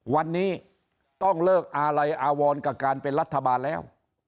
วันนี้ต้องเลิกอะไรอาวรกับการเป็นรัฐบาลแล้ว